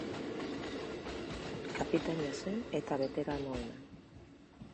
Kapitaina zen eta beteranoena.